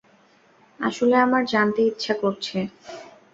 আসলে, আমার জানতে ইচ্ছা করছে।